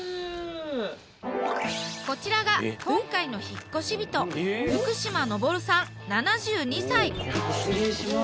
こちらが今回の引っ越し人失礼します。